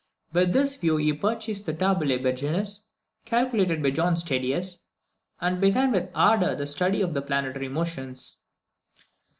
With this view he purchased the Tabulæ Bergenses, calculated by John Stadius, and began with ardour the study of the planetary motions.